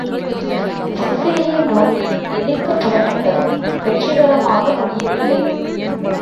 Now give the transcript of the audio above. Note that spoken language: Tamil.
சிசிலியை நோக்கி எதிர்க்கப் புறப்பட்டதும் வெற்றிகரமாக முடியவில்லை.